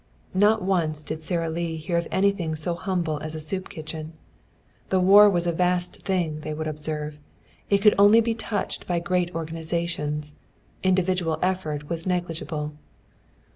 Not once did Sara Lee hear of anything so humble as a soup kitchen. The war was a vast thing, they would observe. It could only be touched by great organizations. Individual effort was negligible.